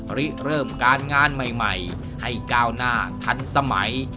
ริเริ่มการงานใหม่ให้ก้าวหน้าทันสมัย